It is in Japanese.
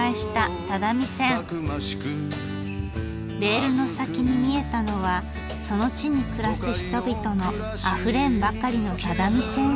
レールの先に見えたのはその地に暮らす人々のあふれんばかりの只見線愛。